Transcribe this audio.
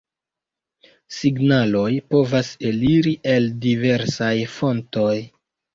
Signaloj povas eliri el diversaj fontoj.